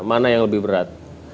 mana yang lebih berat